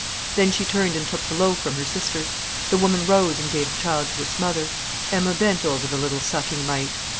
Then she turned and took the loaf from her sister. The woman rose and gave the child to its mother. Emma bent over the little sucking mite.